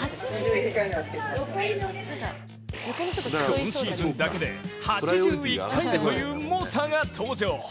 今シーズンだけで８１回目という猛者が登場。